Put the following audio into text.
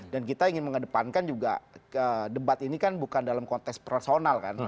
kita ingin mengedepankan juga debat ini kan bukan dalam konteks personal kan